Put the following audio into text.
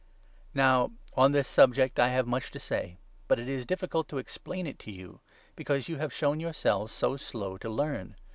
Now on this subject I have much to say, but it 1 1 Superiority *s difficult to explain it to you, because you have of the shown yourselves so slow to learn.